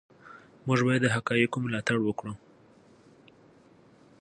موږ باید د حقایقو ملاتړ وکړو.